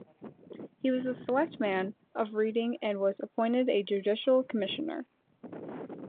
He was a selectman of Reading and was appointed a judicial commissioner.